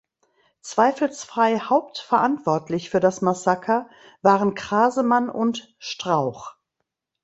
Zweifelsfrei hauptverantwortlich für das Massaker waren Crasemann und Strauch.